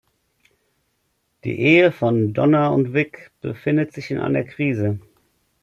Die Ehe von Donna und Vic befindet sich in einer Krise.